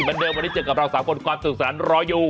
วันนี้เจอกับเราสามคนกว่าเสด็จทานรออยู่